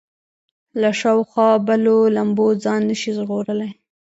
له شاوخوا بلو لمبو ځان نه شي ژغورلی.